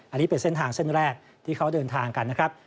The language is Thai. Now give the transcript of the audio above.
อันนี้เป็นเส้นทางเส้นแรกที่เขาเดินทางกันนะครับ